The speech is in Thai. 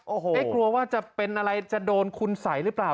โอ้โหไม่กลัวว่าจะเป็นอะไรจะโดนคุณสัยหรือเปล่า